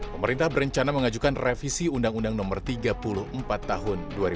pemerintah berencana mengajukan revisi undang undang no tiga puluh empat tahun dua ribu dua